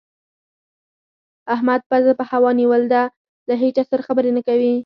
احمد پزه په هوا نيول ده؛ له هيچا سره خبرې نه کوي.